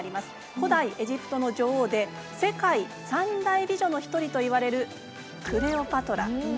古代エジプトの女王で世界三大美女の一人といわれるクレオパトラ。